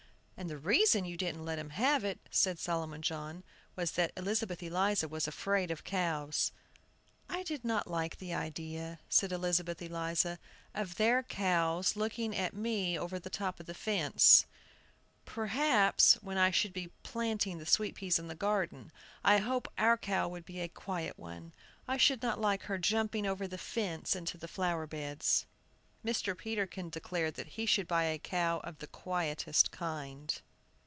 "And the reason you didn't let him have it," said Solomon John, "was that Elizabeth Eliza was afraid of cows." "I did not like the idea," said Elizabeth Eliza, "of their cow's looking at me over the top of the fence, perhaps, when I should be planting the sweet peas in the garden. I hope our cow would be a quiet one. I should not like her jumping over the fence into the flower beds." Mr. Peterkin declared that he should buy a cow of the quietest kind.